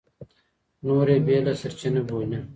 نور يې بېله سرچينه بولي.